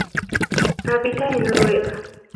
Habita en Noruega.